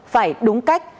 phải đúng cách